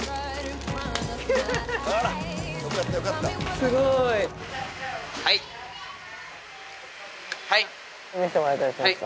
すごいはいはい見せてもらえたりしますか？